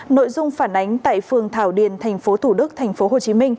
nội dung phản ánh tại phường thảo điền tp thủ đức tp hcm